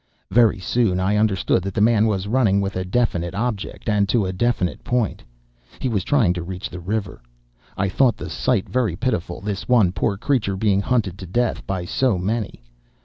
"Very soon I understood that the man was running with a definite object and to a definite point; he was trying to reach the river. I thought the sight very pitiful, this one poor creature being hunted to death by so many.